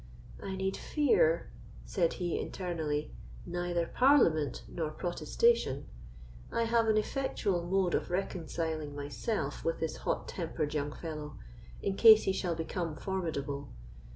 "I need fear," said he internally, "neither Parliament nor protestation; I have an effectual mode of reconciling myself with this hot tempered young fellow, in case he shall become formidable.